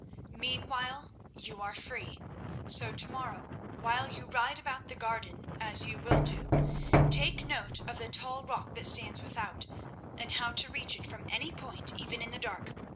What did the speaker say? "Meanwhile, you are free; so to morrow, while you ride about the garden, as you will do, take note of the tall rock that stands without, and how to reach it from any point, even in the dark.